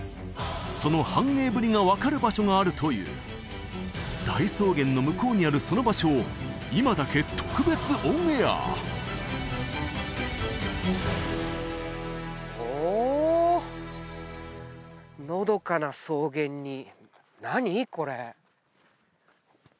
その繁栄ぶりが分かる場所があるという大草原の向こうにあるその場所を今だけ特別オンエアおおのどかな草原に何これ？